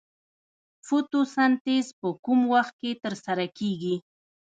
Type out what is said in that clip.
فتوسنتیز په کوم وخت کې ترسره کیږي